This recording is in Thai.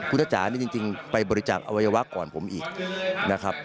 คุณทจ๋านี่จริงไปบริจาคอวัยวะก่อนผมอีกนะครับ